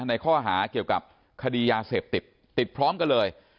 ในข้อหาเกี่ยวกับคดียาเสพติดติดพร้อมกันเลย